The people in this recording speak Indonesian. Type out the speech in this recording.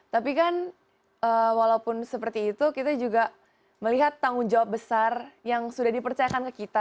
tapi kan walaupun seperti itu kita juga melihat tanggung jawab besar yang sudah dipercayakan ke kita